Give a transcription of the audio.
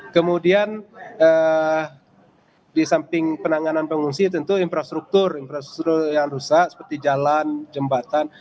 kemudian di samping penanganan pengungsi tentu infrastruktur infrastruktur yang rusak seperti jalan jembatan